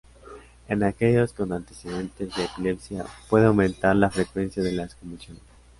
En aquellos con antecedentes de epilepsia, puede aumentar la frecuencia de las convulsiones.